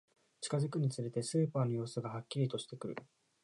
近づくにつれて、スーパーの様子がはっきりとしてくる